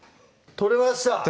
取れました